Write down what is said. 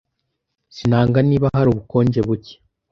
Sinanga niba hari ubukonje buke.